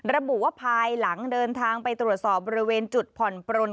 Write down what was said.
ระบุว่าภายหลังเดินทางไปตรวจสอบบริเวณจุดผ่อนปลน